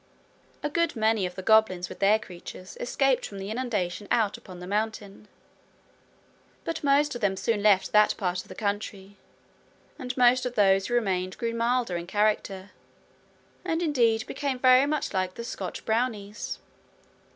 A good many of the goblins with their creatures escaped from the inundation out upon the mountain. But most of them soon left that part of the country, and most of those who remained grew milder in character, and indeed became very much like the Scotch brownies.